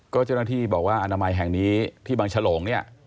ก็เจ้าหน้าที่บอกว่าอนามัยแห่งนี้ที่บางฉลงเนี่ย